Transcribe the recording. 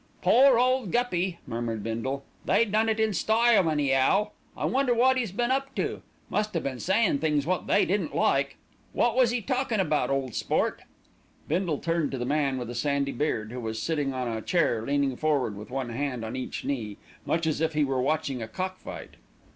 "Pore ole Guppy!" murmured Bindle. "They done it in style any'ow. I wonder wot 'e's been up to. Must 'ave been sayin' things wot they didn't like. Wot was 'e talkin' about, ole sport?" Bindle turned to the man with the sandy beard, who was sitting on a chair leaning forward with one hand on each knee, much as if he were watching a cock fight.